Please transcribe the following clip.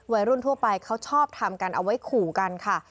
ทั่วไปเขาชอบทำกันเอาไว้ขู่กันค่ะ